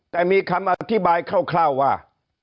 แต่มีคำอธิบายคร่าวว่า